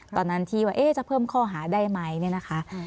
ตอนนั้นที่ว่าจะเพิ่มข้อหาได้ไหมเนี่ยนะคะ